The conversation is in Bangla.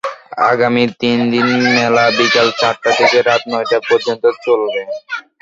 আগামী তিন দিন মেলা বিকেল চারটা থেকে রাত নয়টা পর্যন্ত চলবে।